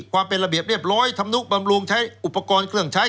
ความเป็นระเบียบเรียบร้อยธรรมนุบำรุงใช้อุปกรณ์เครื่องใช้